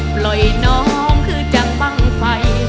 ปล่อยน้องคือจังบ้างไฟ